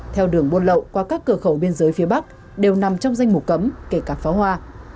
theo đường buôn lậu qua các cửa khẩu biên giới phía bắc đều nằm trong danh mục cấm kể cả pháo hoa